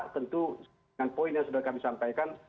tentu dengan poin yang sudah kami sampaikan